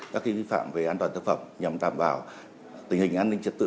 các cái vi phạm về an toàn thực phẩm nhằm tạm bảo tình hình an ninh trật tự